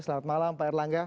selamat malam pak erlangga